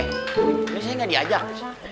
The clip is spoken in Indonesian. pakde ini saya gak diajak